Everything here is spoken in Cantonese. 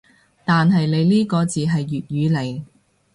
但係你呢個字係粵語嚟